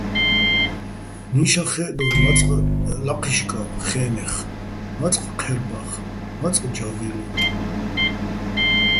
ნიშაჼ ხე́ჸდორ მაწყ ლაჴიშკა́ჸ ხე́ნეხ, მაწყ ჴერბა́ხ, მაწყ ჯა́გილო.